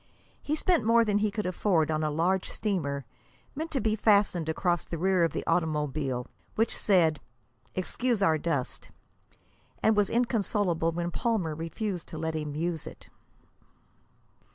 He spent more than he could afford on a large streamer, meant to be fastened across the rear of the automobile, which said, "Excuse our dust," and was inconsolable when Palmer refused to let him use it.